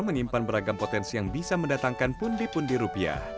menyimpan beragam potensi yang bisa mendatangkan pundi pundi rupiah